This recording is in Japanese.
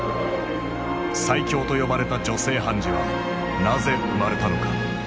最強と呼ばれた女性判事はなぜ生まれたのか。